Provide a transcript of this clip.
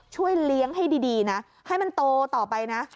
ช่วยเลี้ยงให้ดีนะให้มันโตต่อไปนะ